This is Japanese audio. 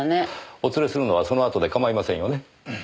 お連れするのはその後で構いませんよね？